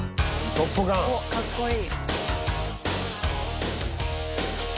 おっかっこいい。